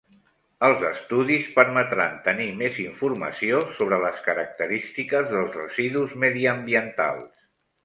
Els estudis permetran tenir més informació sobre les característiques dels residus mediambientals.